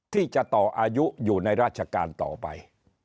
ที่จะต่ออายุอยู่ในราชการต่อไป